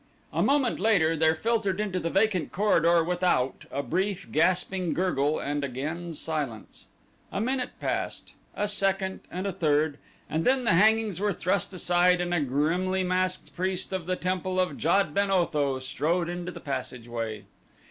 A moment later there filtered to the vacant corridor without a brief, gasping gurgle and again silence. A minute passed; a second, and a third, and then the hangings were thrust aside and a grimly masked priest of the temple of Jad ben Otho strode into the passageway.